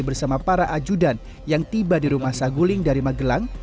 bersama para ajudan yang tiba di rumah saguling dari magelang